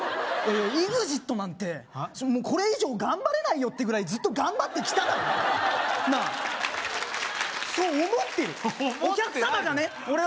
ＥＸＩＴなんてこれ以上頑張れないよってぐらいずっと頑張ってきただろうなあそう思ってるお客様がね思ってないよ